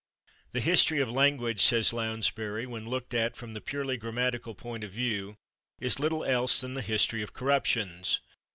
"The history of language," says Lounsbury, "when looked at from the purely grammatical point of view, is little else than the history of corruptions."